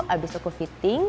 abis itu aku fitting